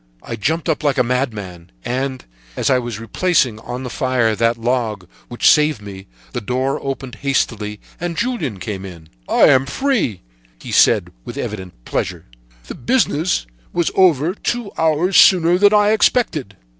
"I jumped up like a madman, and, as I was replacing on the fire that log which had saved me, the door opened hastily, and Julien came in. "'I am free,' he said, with evident pleasure. 'The business was over two hours sooner than I expected!'